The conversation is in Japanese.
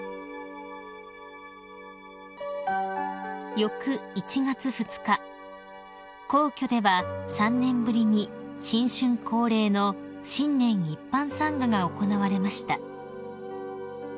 ［翌１月２日皇居では３年ぶりに新春恒例の新年一般参賀が行われました］